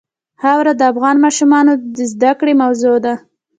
خاوره د افغان ماشومانو د زده کړې موضوع ده.